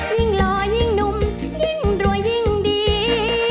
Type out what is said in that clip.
หล่อยิ่งหนุ่มยิ่งรวยยิ่งดี